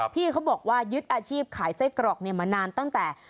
พี่เขาบอกว่ายึดอาชีพขายไส้กรอกมานานตั้งแต่